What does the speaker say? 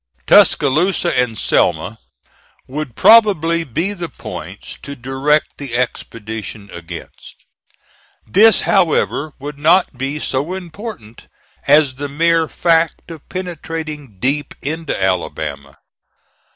Tuscaloosa and Selma would probably be the points to direct the expedition against. This, however, would not be so important as the mere fact of penetrating deep into Alabama.